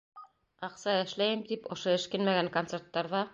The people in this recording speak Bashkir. Аҡса эшләйем тип, ошо эшкинмәгән концерттарҙа...